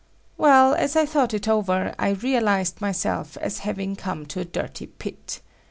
Well, as I thought it over, I realized myself as having come to a dirty pit.